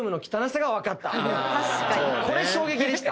これ衝撃でした。